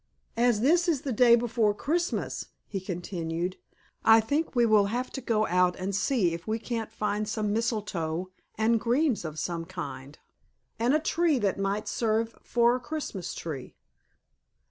"As this is the day before Christmas," he continued, "I think we will have to go out and see if we can't find some mistletoe and greens of some kind, and a tree that might serve for a Christmas tree."